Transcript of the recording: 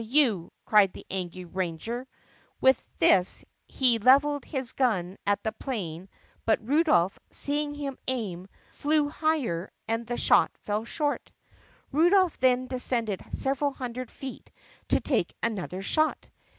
you!" cried the angry Ranger. With this he leveled his gun at the 'plane but Rudolph, seeing him aim, flew higher and the shot fell short. Rudolph then descended several hundred feet to take an other shot.